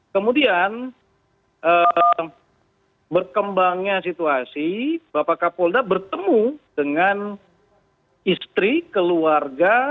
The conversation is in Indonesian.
kemudian berkembangnya situasi bapak kapolda bertemu dengan istri keluarga